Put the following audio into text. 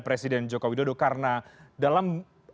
presiden jokowi dodo karena dalam